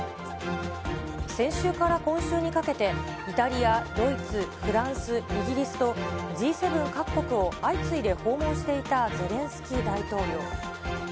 先週から今週にかけてイタリア、ドイツ、フランス、イギリスと、Ｇ７各国を相次いで訪問していたゼレンスキー大統領。